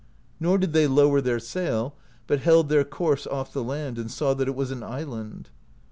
Nor did they lower their sail, but held their course off the land, and saw that it was an island.